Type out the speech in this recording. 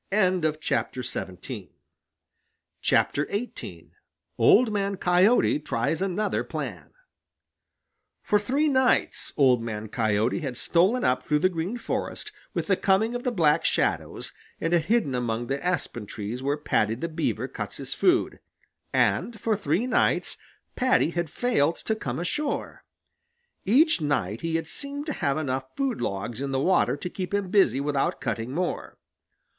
XVIII OLD MAN COYOTE TRIES ANOTHER PLAN For three nights Old Man Coyote had stolen up through the Green Forest with the coming of the Black Shadows and had hidden among the aspen trees where Paddy the Beaver cut his food, and for three nights Paddy had failed to come ashore. Each night he had seemed to have enough food logs in the water to keep him busy without cutting more.